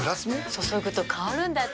注ぐと香るんだって。